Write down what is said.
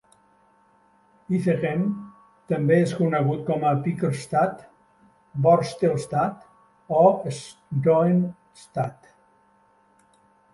Izegem també és conegut com a "pekkerstad", "borstelstad" o "schoenenstad".